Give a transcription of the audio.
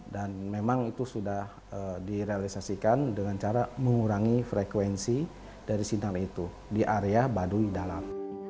dan memang itu sudah direalisasikan dengan cara mengurangi frekuensi dari sinyal itu di area baduy dalam